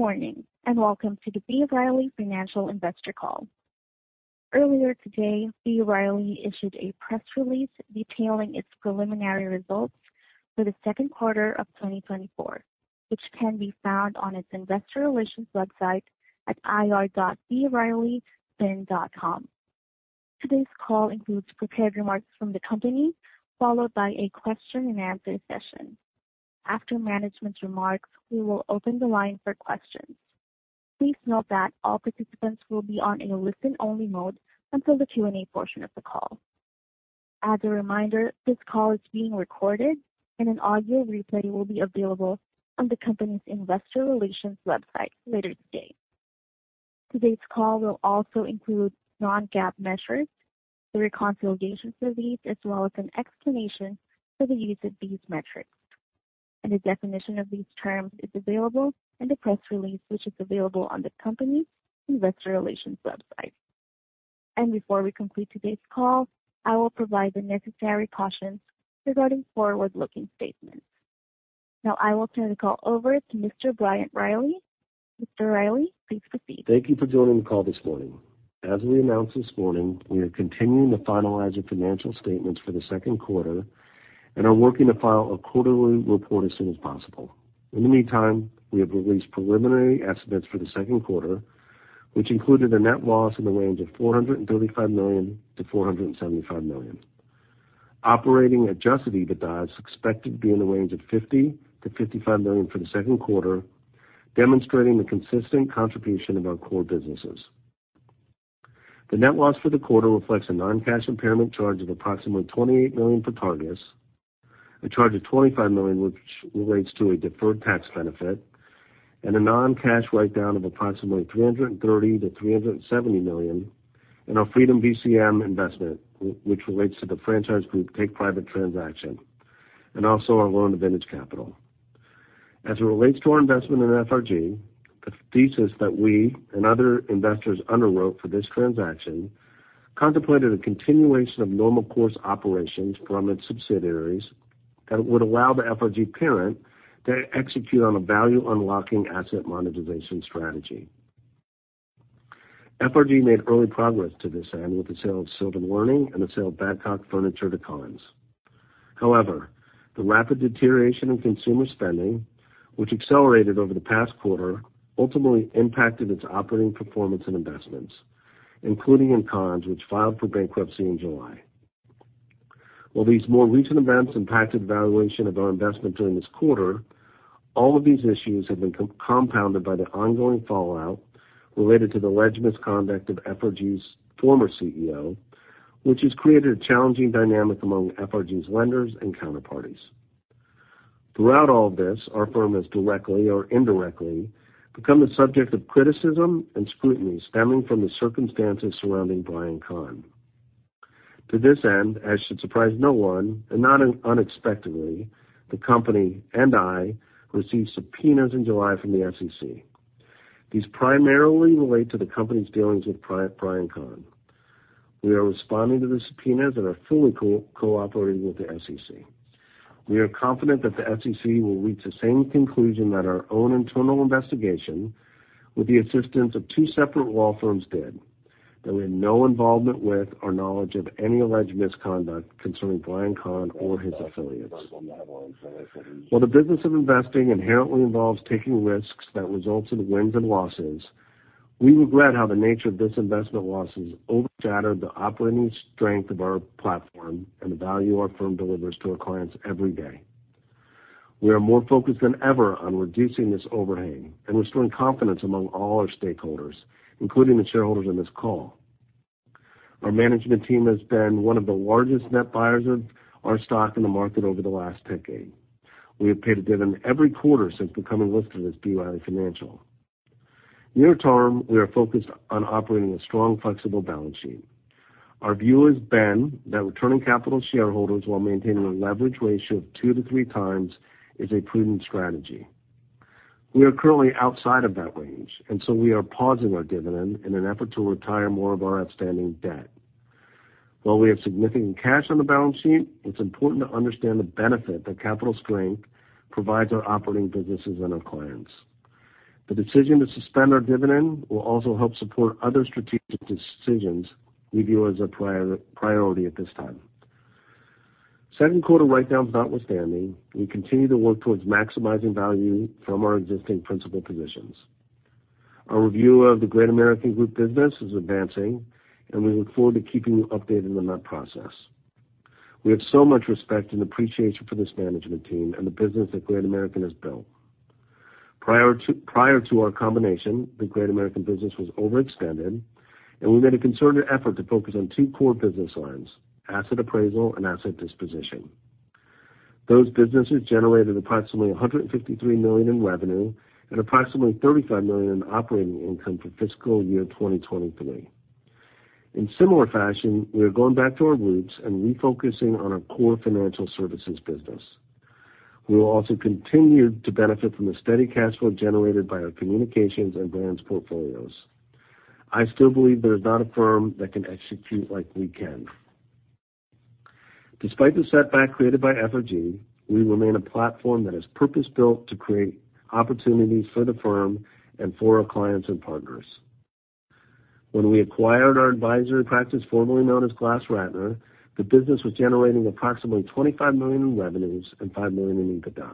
Good morning, and welcome to the B. Riley Financial Investor Call. Earlier today, B. Riley issued a press release detailing its preliminary results for the Q2 of 2024, which can be found on its investor relations website at ir.brileyfinancial.com. Today's call includes prepared remarks from the company, followed by a question-and-answer session. After management's remarks, we will open the line for questions. Please note that all participants will be on a listen-only mode until the Q&A portion of the call. As a reminder, this call is being recorded and an audio replay will be available on the company's investor relations website later today. Today's call will also include non-GAAP measures, the reconciliations for these, as well as an explanation for the use of these metrics. The definition of these terms is available in the press release, which is available on the company's investor relations website. Before we complete today's call, I will provide the necessary cautions regarding forward-looking statements. Now, I will turn the call over to Mr. Bryant Riley. Mr. Riley, please proceed. Thank you for joining the call this morning. As we announced this morning, we are continuing to finalize our financial statements for the Q2 and are working to file a quarterly report as soon as possible. In the meantime, we have released preliminary estimates for the Q2, which included a net loss in the range of $435-$475 million. Operating adjusted EBITDA is expected to be in the range of $50-$55 million for the Q2, demonstrating the consistent contribution of our core businesses. The net loss for the quarter reflects a non-cash impairment charge of approximately $28 million for Targus, a charge of $25 million, which relates to a deferred tax benefit, and a non-cash write-down of approximately $330 million-$370 million in our Freedom VCM investment, which relates to the Franchise Group take-private transaction, and also our loan to Vintage Capital. As it relates to our investment in FRG, the thesis that we and other investors underwrote for this transaction contemplated a continuation of normal course operations from its subsidiaries that would allow the FRG parent to execute on a value-unlocking asset monetization strategy. FRG made early progress to this end with the sale of Sylvan Learning and the sale of Badcock Furniture to Conn's. However, the rapid deterioration in consumer spending, which accelerated over the past quarter, ultimately impacted its operating performance and investments, including in Conn's, which filed for bankruptcy in July. While these more recent events impacted the valuation of our investment during this quarter, all of these issues have been compounded by the ongoing fallout related to the alleged misconduct of FRG's former CEO, which has created a challenging dynamic among FRG's lenders and counterparties. Throughout all of this, our firm has directly or indirectly become the subject of criticism and scrutiny stemming from the circumstances surrounding Brian Kahn. To this end, as should surprise no one, and not unexpectedly, the company and I received subpoenas in July from the SEC. These primarily relate to the company's dealings with Brian Kahn. We are responding to the subpoenas and are fully cooperating with the SEC. We are confident that the SEC will reach the same conclusion that our own internal investigation, with the assistance of two separate law firms, did, that we had no involvement with or knowledge of any alleged misconduct concerning Brian Kahn or his affiliates. While the business of investing inherently involves taking risks that result in wins and losses, we regret how the nature of this investment loss has overshadowed the operating strength of our platform and the value our firm delivers to our clients every day. We are more focused than ever on reducing this overhang and restoring confidence among all our stakeholders, including the shareholders on this call. Our management team has been one of the largest net buyers of our stock in the market over the last decade. We have paid a dividend every quarter since becoming listed as B. Riley Financial. Near term, we are focused on operating a strong, flexible balance sheet. Our view has been that returning capital to shareholders while maintaining a leverage ratio of 2-3 times is a prudent strategy. We are currently outside of that range, and so we are pausing our dividend in an effort to retire more of our outstanding debt. While we have significant cash on the balance sheet, it's important to understand the benefit that capital strength provides our operating businesses and our clients. The decision to suspend our dividend will also help support other strategic decisions we view as a priority at this time. Q2 write-downs notwithstanding, we continue to work towards maximizing value from our existing principal positions. Our review of the Great American Group business is advancing, and we look forward to keeping you updated on that process. We have so much respect and appreciation for this management team and the business that Great American has built. Prior to our combination, the Great American business was overextended, and we made a concerted effort to focus on two core business lines: asset appraisal and asset disposition. Those businesses generated approximately $153 million in revenue and approximately $35 million in operating income for fiscal year 2023. In similar fashion, we are going back to our roots and refocusing on our core financial services business. We will also continue to benefit from the steady cash flow generated by our communications and brands portfolios. I still believe there is not a firm that can execute like we can. Despite the setback created by FRG, we remain a platform that is purpose-built to create opportunities for the firm and for our clients and partners. When we acquired our advisory practice, formerly known as GlassRatner, the business was generating approximately $25 million in revenues and $5 million in EBITDA.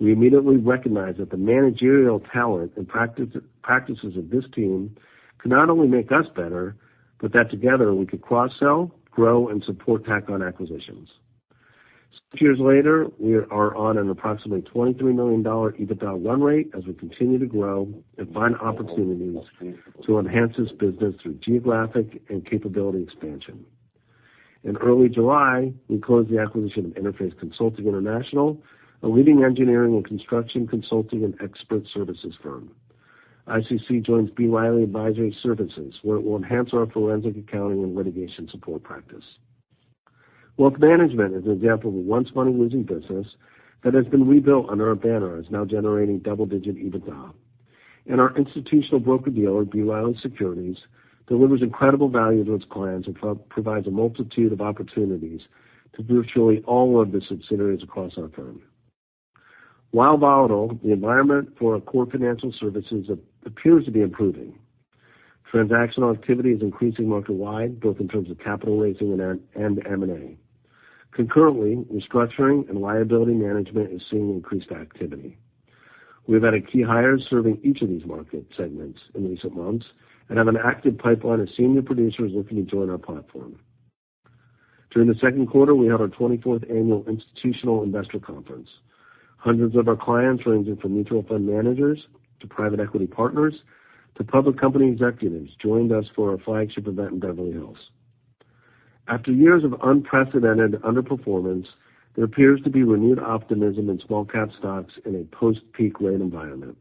We immediately recognized that the managerial talent and practice, practices of this team could not only make us better, but that together we could cross-sell, grow, and support tack-on acquisitions. Six years later, we are on an approximately $23 million EBITDA run rate as we continue to grow and find opportunities to enhance this business through geographic and capability expansion. In early July, we closed the acquisition of Interface Consulting International, a leading engineering and construction consulting and expert services firm. ICC joins B. Riley Advisory Services, where it will enhance our forensic accounting and litigation support practice. Wealth management is an example of a once money-losing business that has been rebuilt under our banner, and is now generating double-digit EBITDA. Our institutional broker-dealer, B. Riley Securities, delivers incredible value to its clients and provides a multitude of opportunities to virtually all of the subsidiaries across our firm. While volatile, the environment for our core financial services appears to be improving. Transactional activity is increasing market-wide, both in terms of capital raising and M&A. Concurrently, restructuring and liability management is seeing increased activity. We have had a key hire serving each of these market segments in recent months and have an active pipeline of senior producers looking to join our platform. During the Q2, we had our 24th annual Institutional Investor Conference. Hundreds of our clients, ranging from mutual fund managers to private equity partners to public company executives, joined us for our flagship event in Beverly Hills. After years of unprecedented underperformance, there appears to be renewed optimism in small cap stocks in a post-peak rate environment.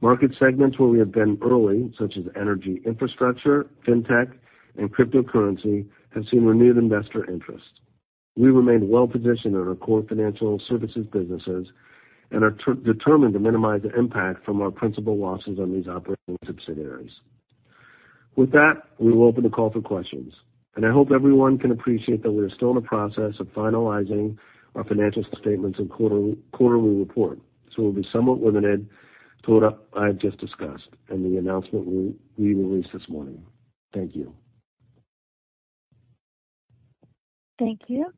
Market segments where we have been early, such as energy infrastructure, fintech, and cryptocurrency, have seen renewed investor interest. We remain well-positioned in our core financial services businesses and are determined to minimize the impact from our principal losses on these operating subsidiaries. With that, we will open the call for questions, and I hope everyone can appreciate that we are still in the process of finalizing our financial statements and quarterly report, so we'll be somewhat limited to what I've just discussed and the announcement we released this morning. Thank you. Thank you.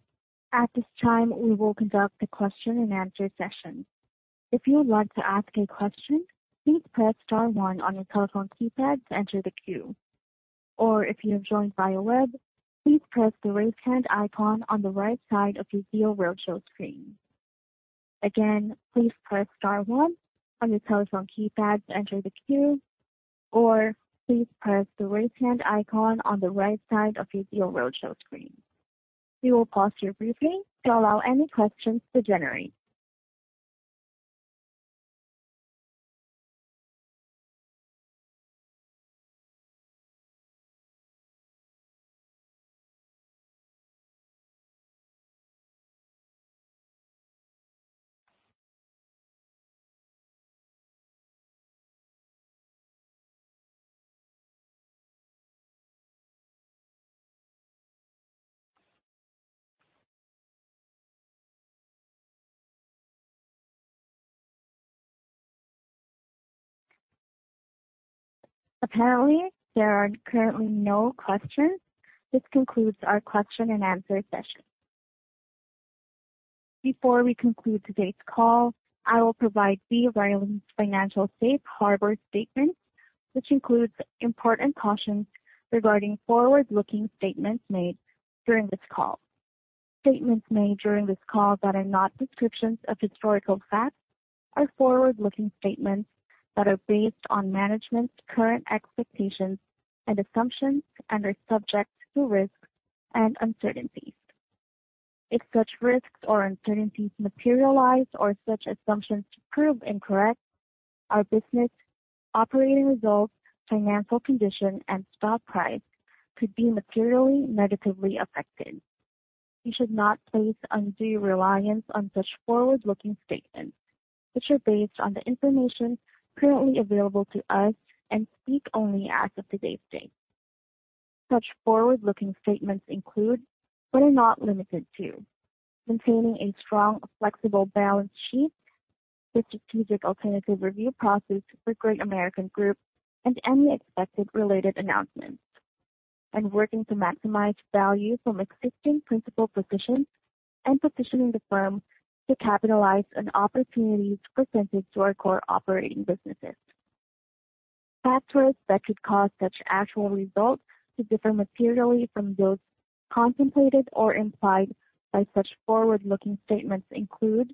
At this time, we will conduct the question-and-answer session. If you would like to ask a question, please press star one on your telephone keypad to enter the queue, or if you have joined via web, please press the Raise Hand icon on the right side of your Zoom Roadshow screen. Again, please press star one on your telephone keypad to enter the queue, or please press the Raise Hand icon on the right side of your Zoom Roadshow screen. We will pause here briefly to allow any questions to generate. Apparently, there are currently no questions. This concludes our question-and-answer session. Before we conclude today's call, I will provide B. Riley's financial safe harbor statement, which includes important cautions regarding forward-looking statements made during this call. Statements made during this call that are not descriptions of historical facts are forward-looking statements that are based on management's current expectations and assumptions and are subject to risks and uncertainties. If such risks or uncertainties materialize or such assumptions prove incorrect, our business, operating results, financial condition, and stock price could be materially negatively affected. You should not place undue reliance on such forward-looking statements, which are based on the information currently available to us and speak only as of today's date. Such forward-looking statements include, but are not limited to, maintaining a strong, flexible balance sheet, the strategic alternative review process for Great American Group, and any expected related announcements, and working to maximize value from existing principal positions and positioning the firm to capitalize on opportunities presented to our core operating businesses. Factors that could cause such actual results to differ materially from those contemplated or implied by such forward-looking statements include,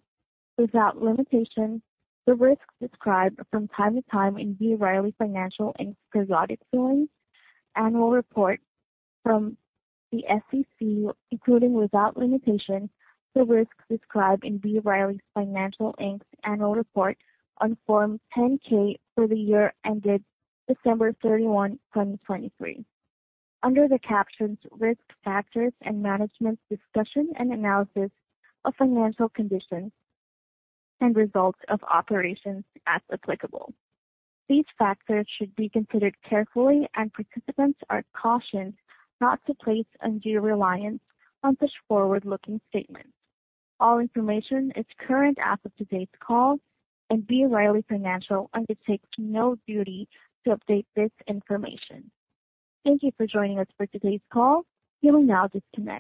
without limitation, the risks described from time to time in B. Riley Financial, Inc.'s periodic filings, annual report from the SEC, including, without limitation, the risks described in B. Riley Financial, Inc.'s Annual Report on Form 10-K for the year ended December 31, 2023, under the captions: Risk Factors and Management's Discussion and Analysis of Financial Conditions and Results of Operations, as applicable. These factors should be considered carefully, and participants are cautioned not to place undue reliance on such forward-looking statements. All information is current as of today's call, and B. Riley Financial undertakes no duty to update this information. Thank you for joining us for today's call. You may now disconnect.